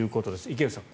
池内さん